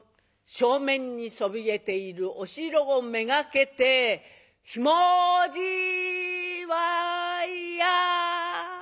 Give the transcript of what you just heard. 正面にそびえているお城を目がけて「ひもじいわいや！」。